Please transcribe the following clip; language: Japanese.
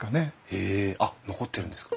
へえあっ残ってるんですか？